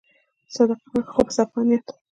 صدقه ورکړه خو په صفا نیت.